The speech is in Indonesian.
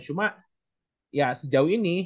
cuma ya sejauh ini